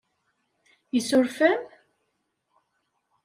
Isuref-am?